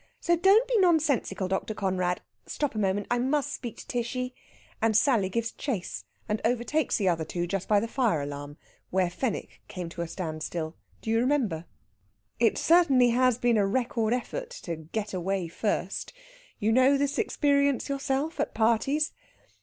"So don't be nonsensical, Dr. Conrad.... Stop a moment. I must speak to Tishy." And Sally gives chase, and overtakes the other two just by the fire alarm, where Fenwick came to a standstill. Do you remember? It certainly has been a record effort to "get away first." You know this experience yourself at parties?